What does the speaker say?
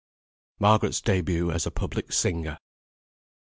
MARGARET'S DEBUT AS A PUBLIC SINGER.